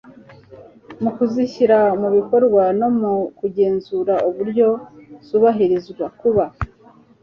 mu kuzishyira mu bikorwa no mu kugenzura uburyo zubahirizwa. kuba